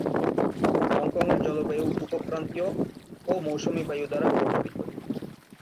হংকংয়ের জলবায়ু উপক্রান্তীয় ও মৌসুমী বায়ু দ্বারা প্রভাবিত।